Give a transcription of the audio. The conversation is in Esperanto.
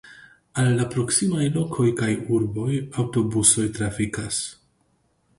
Al la proksimaj lokoj kaj urboj aŭtobusoj trafikas.